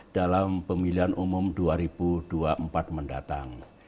dalam pemilihan umum dua ribu dua puluh empat mendatang